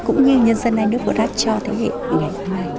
cũng như nhân dân này đưa bộ đáp cho thế hệ này